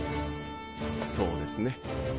そうですね。